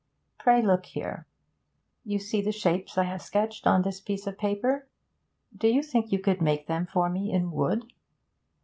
Pray look here. You see the shapes I have sketched on this piece of paper; do you think you could make them for me in wood?'